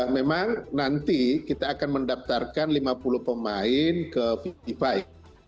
memang nanti kita akan mendaftarkan lima puluh pemain ke fifa